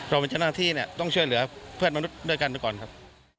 เป็นเจ้าหน้าที่เนี่ยต้องช่วยเหลือเพื่อนมนุษย์ด้วยกันไปก่อนครับ